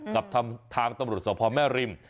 กับทางตำรวจสพแม่ริม